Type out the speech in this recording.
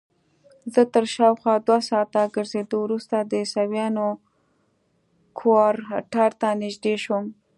زه تر شاوخوا دوه ساعته ګرځېدو وروسته د عیسویانو کوارټر ته نږدې شوم.